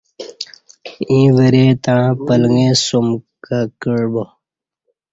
ییں وری تݩع پلنگے سوم کہ کعبا